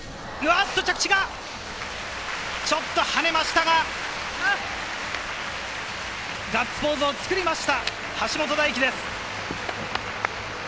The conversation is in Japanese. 着地がちょっと跳ねましたが、ガッツポーズを作りました、橋本大輝です。